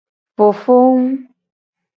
Fofowu.